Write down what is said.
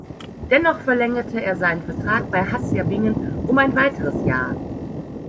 Dennoch verlängerte er seinen Vertrag bei Hassia Bingen um ein weiteres Jahr.